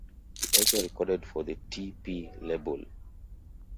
He also recorded for the Tee Pee label.